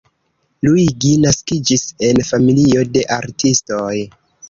Luigi naskiĝis en familio de artistoj.